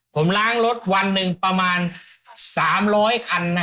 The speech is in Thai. ผมล้างรถวันหนึ่งประมาณ๓๐๐คันนะ